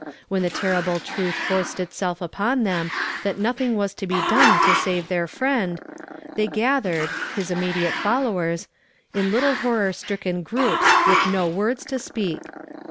When the terrible truth forced itself upon them that nothing was to be done to save their friend, they gathered, his im immediate followers, in little horror stricken groups with no words to speak.